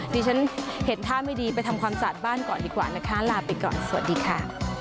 ดิฉันเห็นท่าไม่ดีไปทำความสะอาดบ้านก่อนดีกว่านะคะลาไปก่อนสวัสดีค่ะ